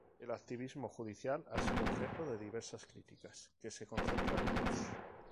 El activismo judicial ha sido objeto de diversas críticas, que se concretan en dos.